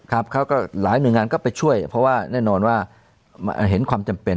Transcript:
เขาก็หลายหน่วยงานก็ไปช่วยเพราะว่าแน่นอนว่าเห็นความจำเป็น